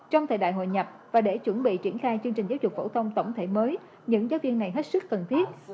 trong thời đại hội nhập và để chuẩn bị triển khai chương trình giáo dục phổ thông tổng thể mới những giáo viên này hết sức cần thiết